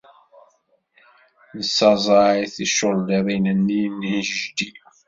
Nessaẓey ticulliḍin-nni n yejdi.